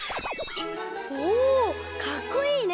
おおかっこいいね！